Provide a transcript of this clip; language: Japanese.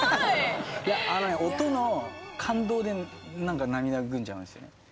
いや音の感動で涙ぐんじゃうんですよね。